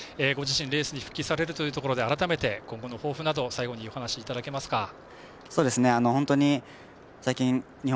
ご自身、レースに復帰されるというところで改めて、今後の抱負など最後にお話いただけますか。